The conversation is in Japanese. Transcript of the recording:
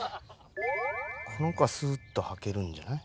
この子はスーッとはけるんじゃない？